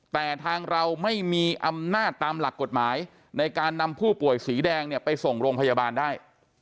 แต่ทางเราไม่มีอำนาจตามหลักกฎหมายในการนำผู้ป่วยสีแดงเนี่ยไปส่งโรงพยาบาลได้